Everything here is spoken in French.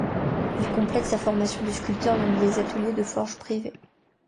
Il complète sa formation de sculpteur dans des ateliers de forge privés.